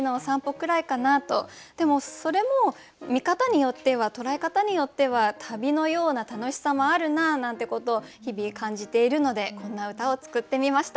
でもそれも見方によっては捉え方によっては旅のような楽しさもあるななんてことを日々感じているのでこんな歌を作ってみました。